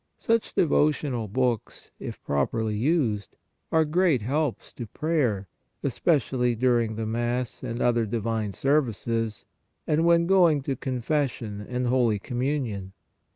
Such devotional books, if properly used, are great helps to prayer, especially during the Mass and other divine services, and when going to confession and holy Communion.